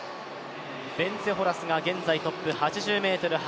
ベンツェ・ホラスが現在トップ。